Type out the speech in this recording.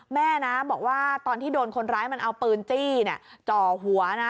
แม่นะบอกว่าตอนที่โดนคนร้ายมันเอาปืนจี้จ่อหัวนะ